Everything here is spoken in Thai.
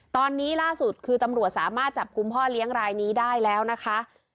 ตอนนี้ล่าสุดคือตำรวจสามารถจับกลุ่มพ่อเลี้ยงรายนี้ได้แล้วนะคะ